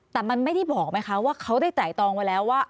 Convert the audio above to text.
แต่มันไม่ได้บอกไหมคะว่าเขาได้ไตรตองไว้แล้วว่า